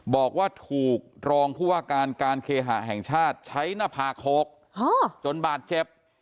บอกว่าถูกรองผู้ว่าการการเคหะแห่งชาติใช้หน้าผากโขกจนบาดเจ็บ